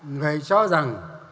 người cho rằng